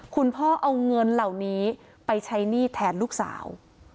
พ่อเอาเงินเหล่านี้ไปใช้หนี้แทนลูกสาว